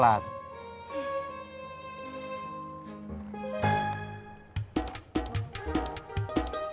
tidak ada yang nanya